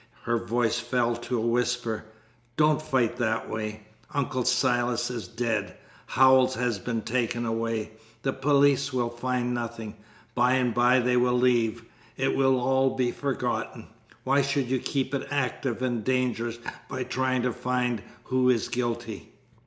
Her voice fell to a whisper. "Don't fight that way. Uncle Silas is dead; Howells has been taken away. The police will find nothing. By and by they will leave. It will all be forgotten. Why should you keep it active and dangerous by trying to find who is guilty?"